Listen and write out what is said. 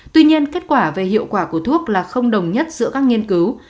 tuy nhiên kết quả về hiệu quả của thuốc là không đồng nhất giữa các nghiên cứu